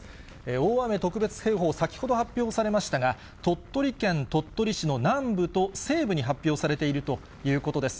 大雨特別警報、先ほど発表されましたが、鳥取県鳥取市の南部と西部に発表されているということです。